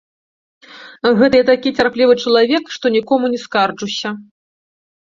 Гэта я такі цярплівы чалавек, што нікому не скарджуся.